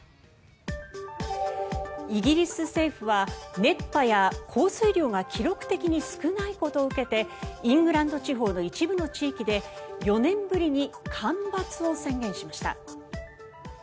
イギリス政府は、熱波や降水量が記録的に少ないことを受けてイングランド地方の一部の地域で４年ぶりに干ばつを宣言しました。